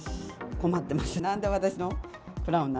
困ってます。